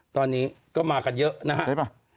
ตอนนี้ก็มากันเยอะนะครับ